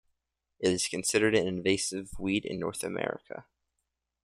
It is considered an invasive weed in North America.